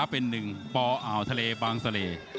เป็นหนึ่งปอ่าวทะเลบางเสล่